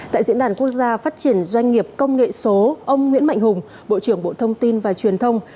tại diễn đàn quốc gia phát triển doanh nghiệp công nghệ số ông nguyễn mạnh hùng bộ trưởng bộ thông tin và truyền thông